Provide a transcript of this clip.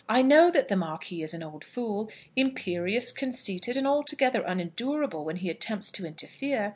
"I know that the Marquis is an old fool, imperious, conceited, and altogether unendurable when he attempts to interfere.